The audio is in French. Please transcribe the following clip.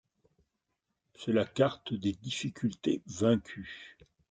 C'est la carte des difficultés vaincues.